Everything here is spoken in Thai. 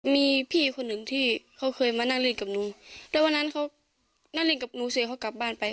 มีพี่คนหนึ่งที่เขาเคยมานั่งเล่นกับหนูแล้ววันนั้นเขานั่งเล่นกับหนูเสียเขากลับบ้านไป